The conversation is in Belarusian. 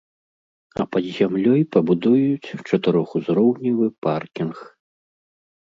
А пад зямлёй пабудуюць чатырохузроўневы паркінг.